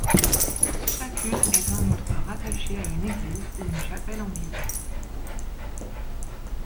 Chacune est en outre rattachée à une église ou une chapelle anglicaine.